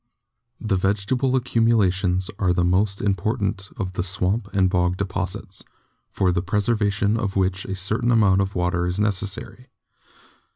The vegetable accumulations are the most important of the swamp and bog deposits, for the preservation of which a certain amount of water is necessary.